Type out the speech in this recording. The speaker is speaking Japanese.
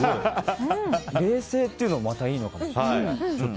冷製っていうのがまたいいのかもしれない。